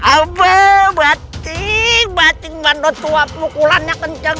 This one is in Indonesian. apa bating bating bandut tua pukulannya kencang